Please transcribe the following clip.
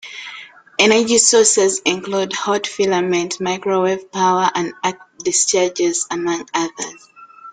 Energy sources include hot filament, microwave power, and arc discharges, among others.